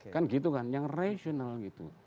kan gitu kan yang rasional gitu